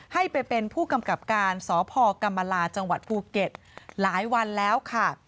ให้ไปเป็นผู้กำกับการสพกรรมลาจังหวัดภูเก็ตหลายวันแล้วค่ะ